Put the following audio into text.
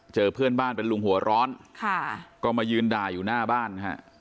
เพื่อนบ้านเป็นลุงหัวร้อนค่ะก็มายืนด่าอยู่หน้าบ้านฮะ